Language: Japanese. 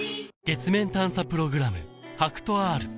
月面探査プログラム